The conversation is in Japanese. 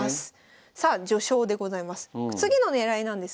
さあ序章でございます。